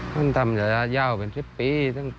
ท่านทำระยะยาวเป็น๑๐ปี